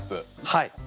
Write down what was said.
はい。